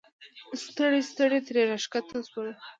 ستړي ستړي ترې راښکته شولو.